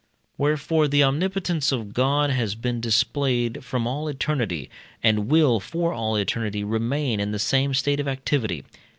Wherefore the omnipotence of God has been displayed from all eternity, and will for all eternity remain in the same state of activity.